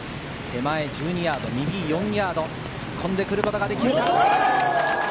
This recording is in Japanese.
手前１２ヤード、右４ヤード、突っ込んでくることができるか。